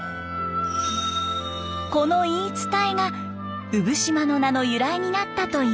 この言い伝えが産島の名の由来になったといいます。